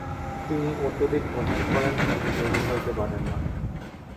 যিনি অত্যধিক ভোজন করেন, তিনি যোগী হইতে পারেন না।